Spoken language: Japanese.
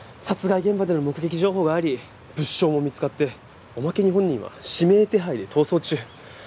殺害現場での目撃情報があり物証も見つかっておまけに本人は指名手配で逃走中。